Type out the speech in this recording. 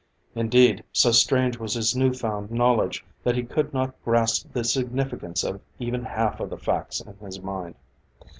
Indeed, so strange was his new found knowledge, that he could not grasp the significance of even half of the facts in his mind.